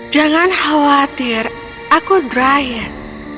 jangan khawatir aku drian